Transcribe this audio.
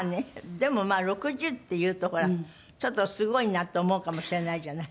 でもまあ６０っていうとほらちょっとすごいなと思うかもしれないじゃない。